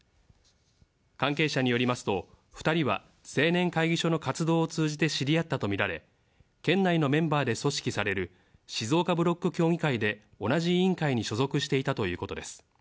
関係者によりますと、２人は青年会議所の活動を通じて知り合ったと見られ、県内のメンバーで組織される静岡ブロック協議会で、同じ委員会に所属していたということです。